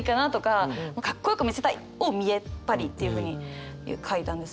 カッコよく見せたいを「みえっぱり」っていうふうに書いたんですけど。